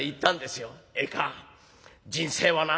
「ええか人生はな